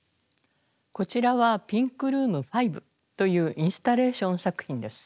こちらは「ピンクルーム５」というインスタレーション作品です。